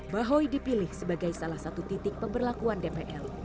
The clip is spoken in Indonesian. bahoy dipilih sebagai salah satu titik pemberlakuan dpl